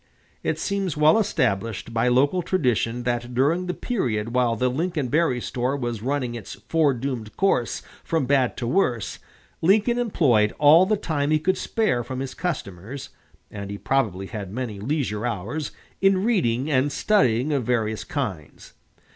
It seems well established by local tradition that during the period while the Lincoln Berry store was running its fore doomed course from bad to worse, Lincoln employed all the time he could spare from his customers (and he probably had many leisure hours) in reading and study of various kinds.